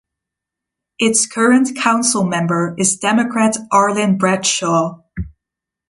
Its current councilmember is Democrat Arlyn Bradshaw.